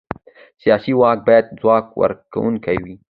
سیاسي واک باید ځواب ورکوونکی وي